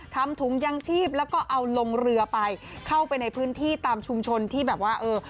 ถุงยังชีพแล้วก็เอาลงเรือไปเข้าไปในพื้นที่ตามชุมชนที่แบบว่าเออ